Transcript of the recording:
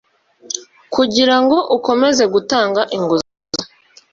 Kugira ngo ukomeze gutanga inguzanyo